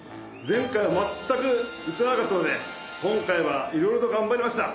前回全く映らなかったので今回はいろいろとがんばりました！